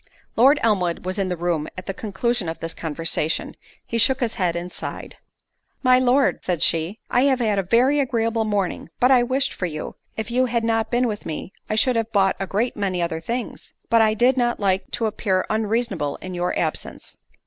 Lord Elmwood was in the room at the conclusion of this conversation——he shook his head and sighed. "My Lord," said she, "I have had a very agreeable morning; but I wished for you—if you had been with me, I should have bought a great many other things; but I did not like to appear unreasonable in your absence."